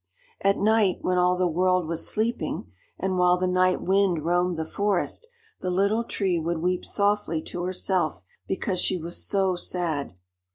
At night, when all the world was sleeping, and while the Night Wind roamed the forest, the Little Tree would weep softly to herself because she was so sad.